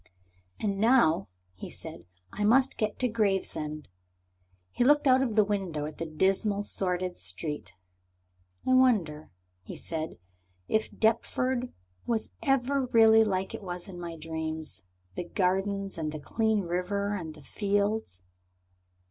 "And now," he said, "I must get to Gravesend." He looked out of the window at the dismal, sordid street. "I wonder," he said, "if Deptford was ever really like it was in my dream the gardens and the clean river and the fields?"